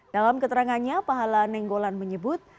dalam keterangannya pahala nenggolan menyebut